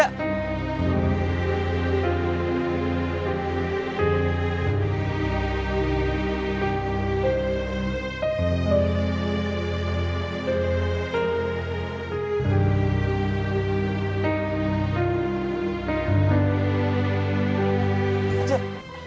acil tunggu acil